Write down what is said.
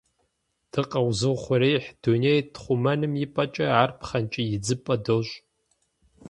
Дыкъэузыухъуреихь дунейр тхъумэным и пӀэкӀэ, ар пхъэнкӀий идзыпӀэ дощӀ.